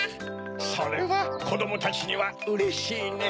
それはこどもたちにはうれしいねぇ。